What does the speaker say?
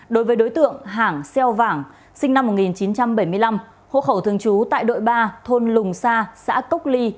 đối với đối tượng hảng xeo vàng sinh năm một nghìn chín trăm bảy mươi năm hộ khẩu thường trú tại đội ba thôn lùng sa xã cốc ly